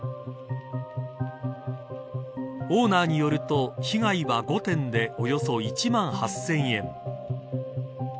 オーナーによると被害は５点でおよそ１万８０００円。